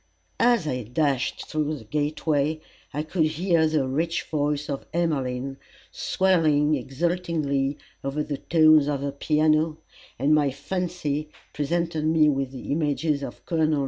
As I dashed through the gateway, I could hear the rich voice of Emmeline swelling exultingly with the tones of her piano, and my fancy presented me with the images of Col.